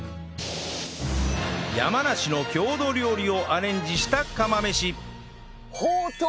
山梨の郷土料理をアレンジした釜飯